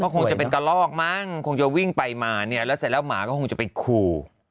คงจะเป็นกระลอกมั้งคงจะวิ่งไปมาเนี่ยแล้วเสร็จแล้วหมาก็คงจะไปขู่